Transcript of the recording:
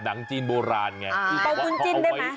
พูดจริงได้ไหม